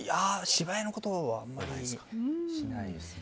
芝居のことはあんまりしないですね。